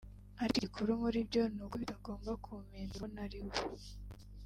ariko igikuru muri byose ni uko bitagomba kumpindura uwo ntariwe